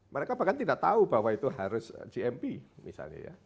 mereka bahkan tidak tahu bahwa itu harus gmp misalnya ya